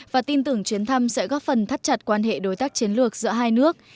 và tin tưởng chuyến thăm sẽ góp phần thắt chặt quan hệ đối tác chiến lược giữa hai nước